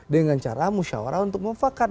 dengan cara musyawarah untuk mufakat